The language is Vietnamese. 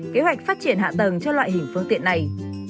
kế hoạch phát triển hạ tầng cho loại hình phương tiện này